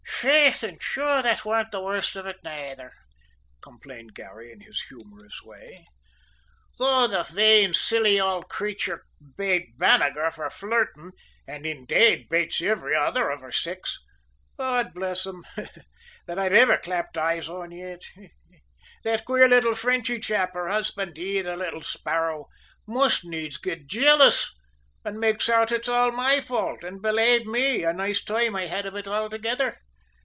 "Faith, an' sure, that warn't the worst of it nayther," complained Garry in his humorous way. "Though the vain, silly ould crayture bate Banagher for flirtin' an', indade, bates ivviry other of her sex, God bless 'em, that I've ivver clapt eyes on yet that quare little Frenchy chap, her husband, he, the little sparrow, must neades git jallous, an' makes out it's all my fault, an', belave me, a nice toime I had o' it altogether.